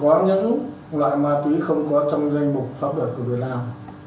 có những loại ma túy không có trong danh mục pháp luật của việt nam